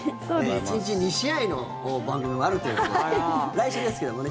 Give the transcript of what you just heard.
１日２試合の番組もあるということで来週ですけどもね。